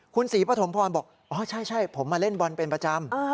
คุณศรีปฐมพรบอกอ๋อใช่ผมมาเล่นบอลเป็นประจำ